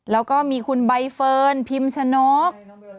แล้วก็มีคุณใบเฟิร์นพิมชนก